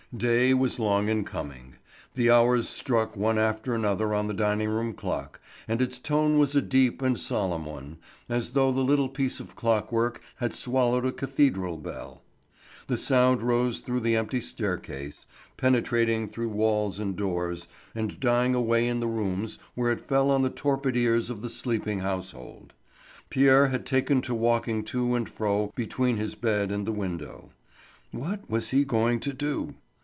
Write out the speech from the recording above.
Day was long in coming. The hours struck one after another on the dining room clock, and its tone was a deep and solemn one, as though the little piece of clockwork had swallowed a cathedral bell. The sound rose through the empty staircase, penetrating through walls and doors, and dying away in the rooms where it fell on the torpid ears of the sleeping household. Pierre had taken to walking to and fro between his bed and the window. What was he going to do?